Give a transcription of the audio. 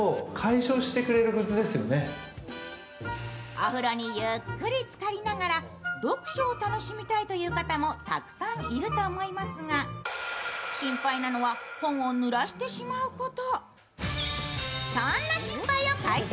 お風呂にゆっくりつかりながら読書を楽しみたいという方もたくさんいると思いますが心配なのは本をぬらしてしまうこと。